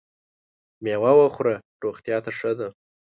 مېوه وخوره ! روغتیا ته ښه ده .